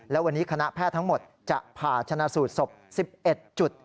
และวันนี้คณะแพทย์ทั้งหมดจะผ่าชนะสูตรศพ๑๑จุด